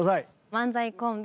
漫才コンビ